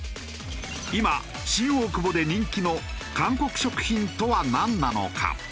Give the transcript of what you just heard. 今新大久保で人気の韓国食品とはなんなのか？